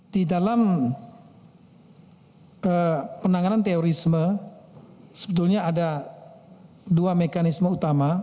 di dalam penanganan teorisme sebetulnya ada dua mekanisme utama